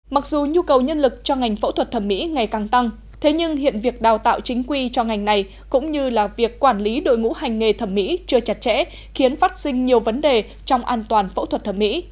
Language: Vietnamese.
mặc dù nhu cầu nhân lực cho ngành phẫu thuật thẩm mỹ ngày càng tăng thế nhưng hiện việc đào tạo chính quy cho ngành này cũng như là việc quản lý đội ngũ hành nghề thẩm mỹ chưa chặt chẽ khiến phát sinh nhiều vấn đề trong an toàn phẫu thuật thẩm mỹ